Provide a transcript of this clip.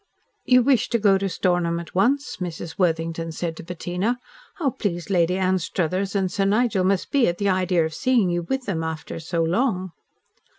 "You wish to go to Stornham at once?" Mrs. Worthington said to Bettina. "How pleased Lady Anstruthers and Sir Nigel must be at the idea of seeing you with them after so long."